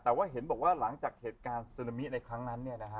แต่ว่าเห็นบอกว่าหลังจากเหตุการณ์ซึนามิในครั้งนั้น